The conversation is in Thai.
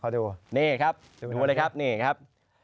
ดูนะครับ